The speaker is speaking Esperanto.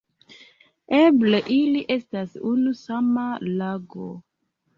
Eble ili estas unu sama lago.